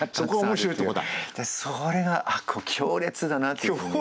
それが強烈だなっていうふうに。